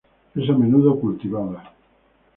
Es a menudo cultivada.